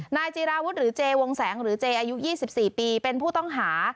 นายจีราวุฒิหรือเจวงแสงหรือเจอายุ๒๔ปีเป็นผู้ต้องหา